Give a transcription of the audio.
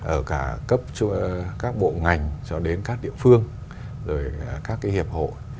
ở cả cấp các bộ ngành cho đến các địa phương rồi các cái hiệp hội